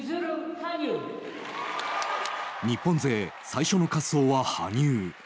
日本勢、最初の滑走は羽生。